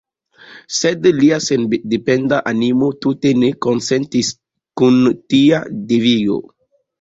Sed lia sendependa animo tute ne konsentis kun tia devigo.